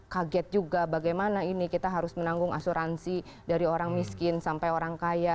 kaget juga bagaimana ini kita harus menanggung asuransi dari orang miskin sampai orang kaya